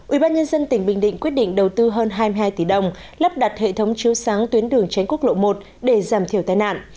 ubnd tỉnh bình định quyết định đầu tư hơn hai mươi hai tỷ đồng lắp đặt hệ thống chiếu sáng tuyến đường tránh quốc lộ một để giảm thiểu tai nạn